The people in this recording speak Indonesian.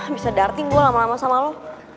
bisa darting gua lama lama sama lu